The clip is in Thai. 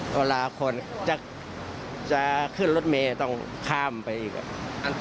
เวลาคนจะขึ้นรถเมย์ต้องข้ามไปอีก